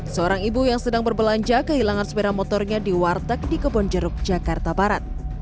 seorang ibu yang sedang berbelanja kehilangan sepeda motornya di warteg di kebonjeruk jakarta barat